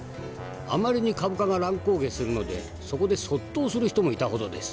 あまりに株価が乱高下するのでそこで卒倒する人もいたほどです。